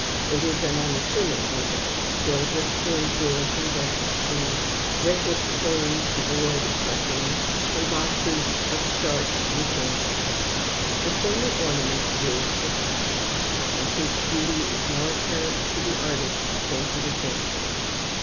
It is an unassuming window, filled with canned goods and breakfast foods, wrinkled prunes devoid of succulence, and boxes of starch and candles. Its only ornament is the cat, and his beauty is more apparent to the artist than to the fancier.